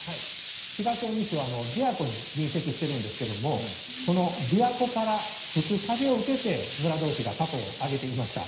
東近江市は琵琶湖に隣接しているんですが琵琶湖から吹く風を受けて村どうしがたこを上げていました。